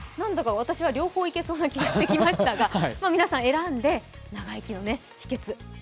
私は両方いけそうな気がしてきましたが、皆さん選んで、長生きの秘けつ。